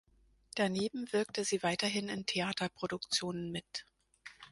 Daneben wirkte sie weiterhin in Theaterproduktionen mit.